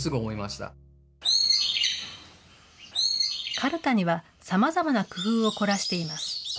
カルタにはさまざまな工夫を凝らしています。